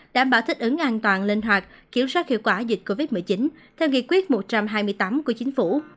đảm bảo thích ứng an toàn linh hoạt kiểm soát hiệu quả dịch covid một mươi chín theo nghị quyết một trăm hai mươi tám của chính phủ